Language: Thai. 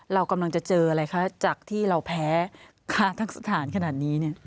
เรากำลังจะเจออะไรจากที่เราแพ้ค่าสถานนี้